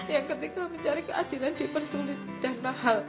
yang ketika mencari keadilan dipersulit dan mahal